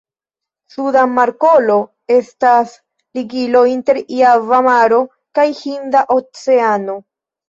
Sunda Markolo estas ligilo inter Java Maro kaj Hinda Oceano.